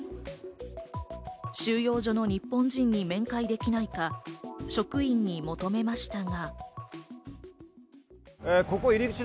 収容所の日本人に面会できないか、職員に求めましたが。